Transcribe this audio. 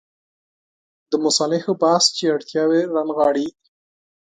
د مصالحو بحث چې اړتیاوې رانغاړي.